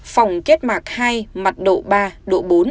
phòng kết mạc hai mặt độ ba độ bốn